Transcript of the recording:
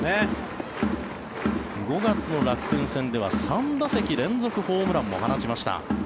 ５月の楽天戦では３打席連続ホームランも放ちました。